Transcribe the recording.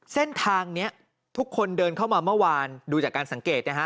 เส้นทางนี้ทุกคนเดินเข้ามาเมื่อวานดูจากการสังเกตนะฮะ